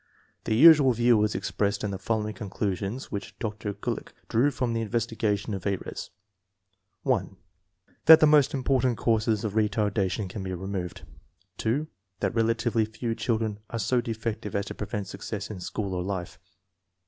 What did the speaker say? The usual view is expressed in the following conclu sions which Dr. Gulick drew from the investigation of Ayres: (1) "That the most important causes .of re tardation can be removed ";(&)" that relatively few children are so defective as to prevent success in school or life."